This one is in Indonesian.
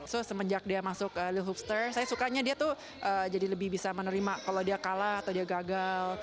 so semenjak dia masuk lilhopster saya sukanya dia tuh jadi lebih bisa menerima kalau dia kalah atau dia gagal